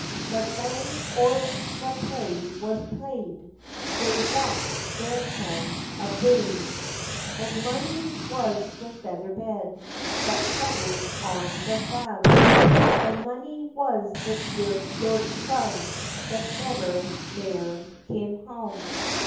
But lang or a the play was play'd They wat their hats aboon, And mony was the feather bed That fluttered on the faem, And mony was the gude lord's son That never mair cam hame.